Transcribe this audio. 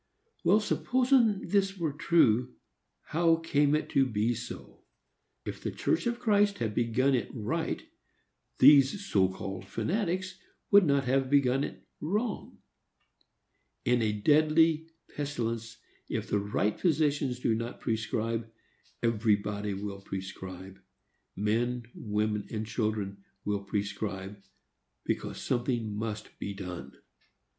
Well, supposing that this were true, how came it to be so? If the church of Christ had begun it right, these so called fanatics would not have begun it wrong. In a deadly pestilence, if the right physicians do not prescribe, everybody will prescribe,—men, women and children, will prescribe,—because something must be done.